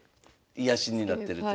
癒やしになってるという。